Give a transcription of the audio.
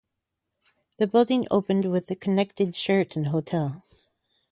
The building opened with a connected Sheraton hotel.